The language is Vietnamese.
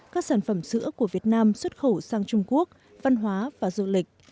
các sản phẩm sữa của việt nam xuất khẩu sang trung quốc văn hóa và du lịch